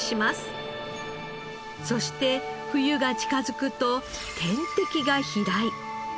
そして冬が近づくと天敵が飛来。